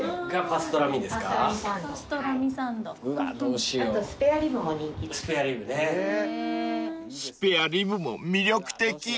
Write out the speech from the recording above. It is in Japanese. ［スペアリブも魅力的］